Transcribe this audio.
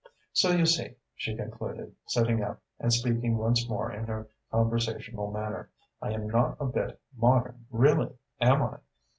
"So you see," she concluded, sitting up and speaking once more in her conversational manner, "I am not a bit modern really, am I?